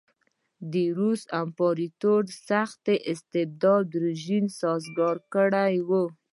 د روس امپراتور سخت استبدادي رژیم ساز کړی و.